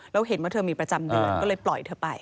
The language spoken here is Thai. แล้วเห็นว่าเธอมีประจำเดือนก็เลยปล่อยเธอไป